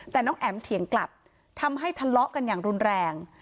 แต่น้องแอ๋มเถียงกลับทำให้ทะเลาะกันอย่างรุนแรง